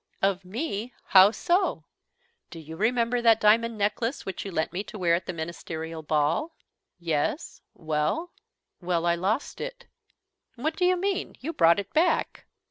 "Of me! How so?" "Do you remember that diamond necklace which you lent me to wear at the ministerial ball?" "Yes. Well?" "Well, I lost it." "What do you mean? You brought it back."